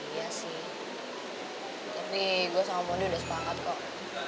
iya sih tapi gue sama mondi udah sepakat kok